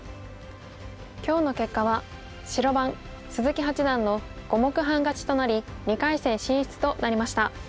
今日の結果は白番鈴木八段の５目半勝ちとなり２回戦進出となりました。